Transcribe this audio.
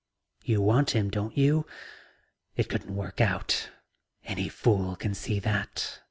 "You want him, don't you? It couldn't work out. Any fool can see that."